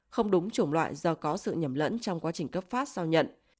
không đúng chủng loại do có sự nhầm lẫn trong quá trình cấp phát sau nhận